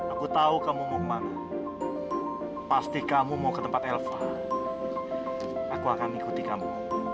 aku tahu kamu mau kemana pasti kamu mau ke tempat elva aku akan ikuti kamu